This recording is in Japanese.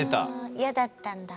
イヤだったんだ。